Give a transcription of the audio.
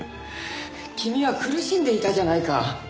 君は苦しんでいたじゃないか。